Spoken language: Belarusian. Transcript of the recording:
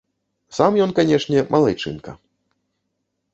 Сам ён, канешне, малайчынка.